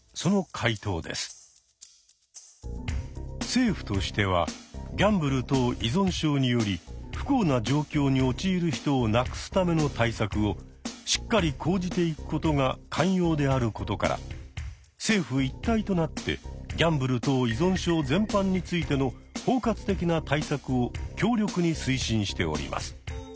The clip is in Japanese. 「政府としてはギャンブル等依存症により不幸な状況に陥る人をなくすための対策をしっかり講じていくことが肝要であることから政府一体となってギャンブル等依存症全般についての包括的な対策を強力に推進しております」。